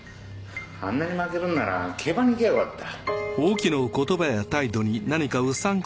あんなに負けるんなら競馬に行きゃよかった。